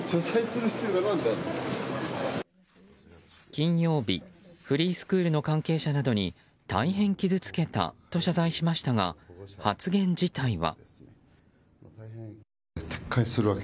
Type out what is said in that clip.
金曜日フリースクールの関係者などに大変傷つけたと謝罪しましたが発言自体は。